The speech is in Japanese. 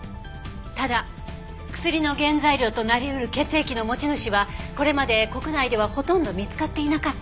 ただ薬の原材料となり得る血液の持ち主はこれまで国内ではほとんど見つかっていなかった。